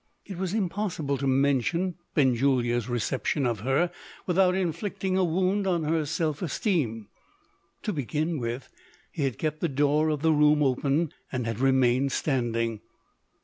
It was impossible to mention Benjulia's reception of her without inflicting a wound on her self esteem. To begin with, he had kept the door of the room open, and had remained standing.